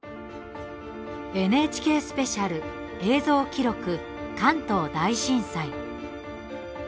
ＮＨＫスペシャル「映像記録関東大震災」。